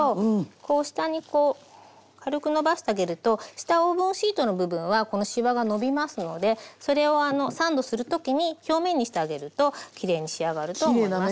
こう下にこう軽くのばしてあげると下オーブンシートの部分はこのしわがのびますのでそれをサンドする時に表面にしてあげるときれいに仕上がると思います。